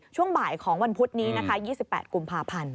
ช่วงบ่ายของวันพุธนี้นะคะ๒๘กุมภาพันธ์